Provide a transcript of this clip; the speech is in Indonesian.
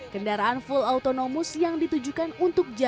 kendaraan full autonomous yang ditujukan oleh kendaraan elektrik masa depan